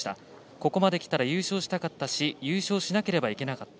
ここまできたら優勝したかったし優勝しなければいけなかった。